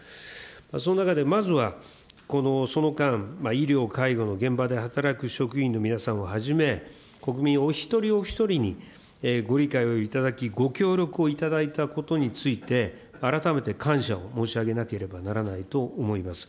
その中でまずは、その間、医療、介護の現場で働く職員の皆さんをはじめ、国民お一人お一人に、ご理解をいただき、ご協力をいただいたことについて、あらためて感謝を申し上げなければならないと思います。